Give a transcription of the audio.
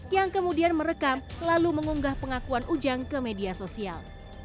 yang kemudian merekam lalu mengunggah pengakuan ujang ke media sosial